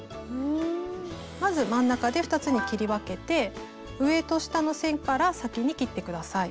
まず真ん中で２つに切り分けて上と下の線から先に切って下さい。